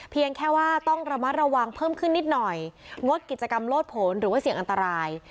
เพียงแค่ว่าต้องระมัดระวังเพิ่มขึ้นนิดหน่อยงดกิจกรรมโลดผลหรือว่าเสี่ยงอันตราย